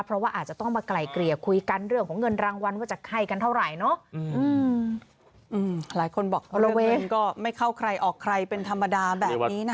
เพราะว่าอาจจะต้องมาไกลเกลี่ยคุยกันเรื่องของเงินรางวัลว่าจะให้กันเท่าไหร่